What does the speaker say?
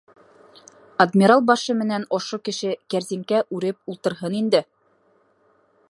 Адмирал башы менән ошо кеше кәрзинкә үреп ултырһын инде.